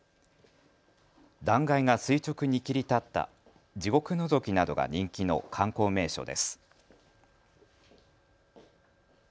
断崖が垂直に切り立った地獄のぞきなどが人気の観光名所です。